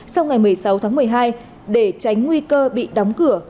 sau ngày một mươi sáu tháng một mươi hai để tránh nguy cơ bị đóng cửa